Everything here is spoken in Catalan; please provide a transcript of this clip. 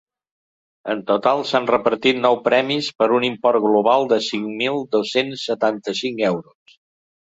En total s’han repartit nou premis per un import global de cinc mil dos-cents setanta-cinc euros.